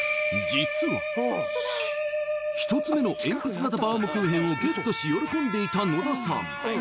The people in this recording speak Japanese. １つ目のえんぴつ型バウムクーヘンをゲットし喜んでいた野田さん